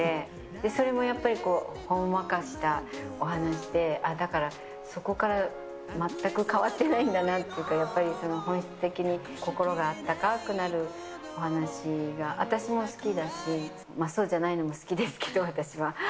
それもやっぱり、ほんわかしたお話で、ああ、だからそこから全く変わってないんだなとか、やっぱり本質的に心があったかくなるお話が、私も好きだし、まあ、そうじゃないのも好きですけれども、私は。